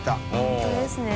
本当ですね。